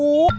mak aku mau